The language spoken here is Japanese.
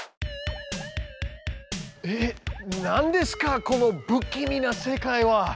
えっなんですかこの不気味な世界は！？